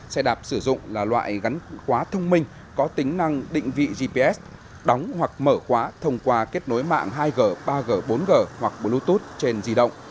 xe đạp sử dụng là loại gắn quá thông minh có tính năng định vị gps đóng hoặc mở khóa thông qua kết nối mạng hai g ba g bốn g hoặc bluetooth trên di động